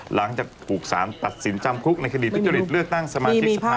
หลังจากถูกสารตัดสินจำคุกในคณีตุจริตเลือกตั้งสมาชิกสถานทศพสมุทรประการ